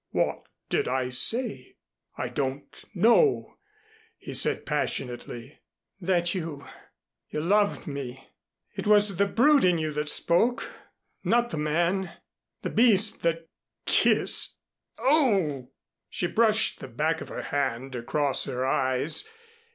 "What did I say? I don't know," he said passionately. "That you you loved me. It was the brute in you that spoke not the man, the beast that kissed Oh!" She brushed the back of her hand across her eyes.